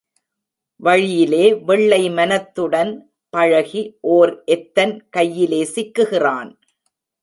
வழியிலே வெள்ளை மனத்துடன் பழகி, ஓர் எத்தன் கையிலே சிக்குகிறான்.